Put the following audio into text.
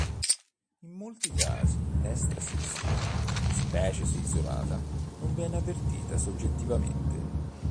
In molti casi l'extrasistole, specie se isolata, non viene avvertita soggettivamente.